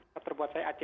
reseptor buat saya ac dua